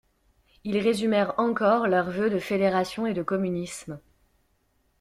Ils résumèrent encore leurs vœux de fédération et de communisme.